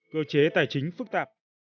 cơ chế tài chính phức tạp